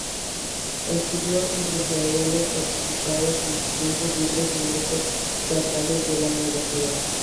Estudió Empresariales, participando en sus tiempos libres en grupos teatrales de la universidad.